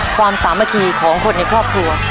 สามัคคีของคนในครอบครัว